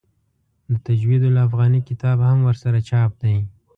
د تجوید الافغاني کتاب هم ورسره چاپ دی.